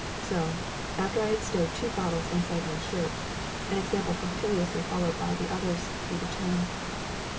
So, after I had stowed two bottles inside my shirt (an example punctiliously followed by the others), we returned.